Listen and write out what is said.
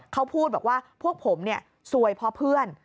เขาพูดบอกว่าพวกผมซวยเพราะเพื่อน